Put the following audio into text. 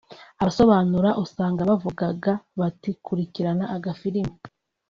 abasobanura usanga bavugaga bati “kurikira agafilime